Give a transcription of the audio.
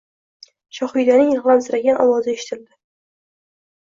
Shohidaning yig‘lamsiragan ovozi eshitildi